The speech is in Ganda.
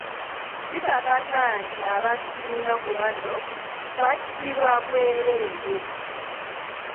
Kikakasa nti abasinga ku bano battibwa bwereere.